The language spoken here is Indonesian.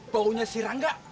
baunya si rangga